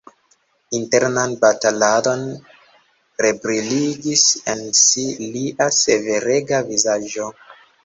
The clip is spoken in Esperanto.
Internan bataladon rebriligis en si lia severega vizaĝo.